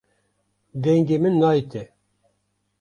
Dengê min nayê te.